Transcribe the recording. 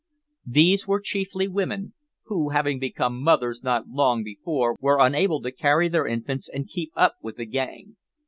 These were chiefly women, who having become mothers not long before were unable to carry their infants and keep up with the gang.